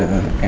em và bạn